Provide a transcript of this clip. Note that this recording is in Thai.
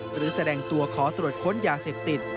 แสดงตัวขอตรวจค้นยาเสพติด